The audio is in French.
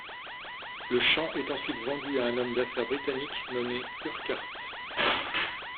Le champ est ensuite vendu à un homme d'affaires britannique nommé Urquart.